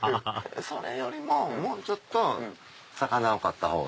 それよりももうちょっと魚を飼ったほうが。